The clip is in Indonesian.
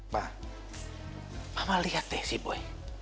pa mama lihat deh si boy